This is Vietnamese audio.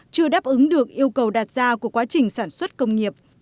chưa đáp ứng được yêu cầu đạt ra của quá trình sản xuất công nghiệp